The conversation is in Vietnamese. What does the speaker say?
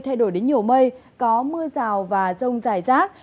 thay đổi đến nhiều mây có mưa rào và rông dài rác